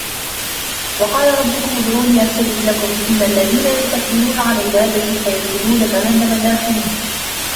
وقال ربكم ادعوني أستجب لكم إن الذين يستكبرون عن عبادتي سيدخلون جهنم داخرين